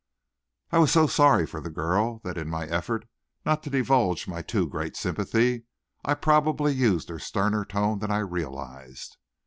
I was so sorry for the girl, that, in my effort not to divulge my too great sympathy, I probably used a sterner tone than I realized.